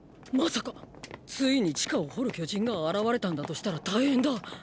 まさかついに地下を掘る巨人が現れたんだとしたら大変だ。